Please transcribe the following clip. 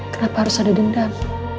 kenapa harus ada dendam